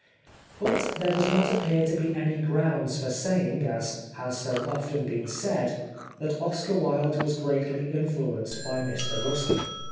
But there does not appear to be any grounds for saying, as has so often been said, that Oscar Wilde was greatly influenced by Mr Ruskin.